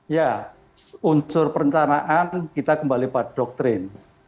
ya unsur perencanaan kita kembali pada doktrin